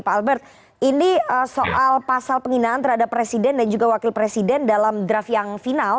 pak albert ini soal pasal penghinaan terhadap presiden dan juga wakil presiden dalam draft yang final